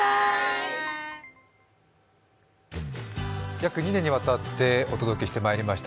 約２年にわたってお届けしてきました